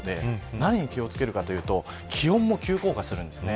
何に気を付けるかというと気温も急降下します。